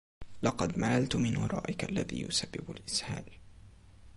لقد مللت من هرائك الذي يسبب الإسهال.